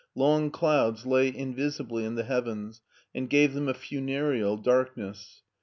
Long clouds lay invisibly in the heavens and gave them i funereal darkness.